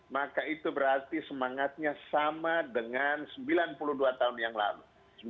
maka itu berarti semangatnya sama dengan sembilan puluh dua tahun yang lalu